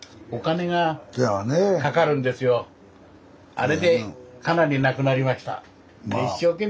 あれでかなりなくなりました。